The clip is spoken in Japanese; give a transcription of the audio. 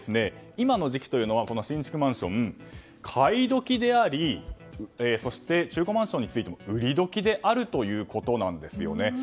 今の時期というのは新築マンションを買い時でありそして中古マンションについても売り時であるということなんです。